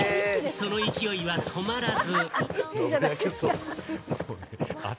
その勢いは止まらず。